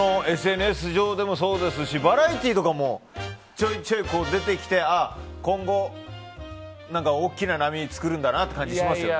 ＳＮＳ上でもそうですしバラエティーとかもちょいちょい出てきて今後、大きな波を作るんだなという感じがしますよね。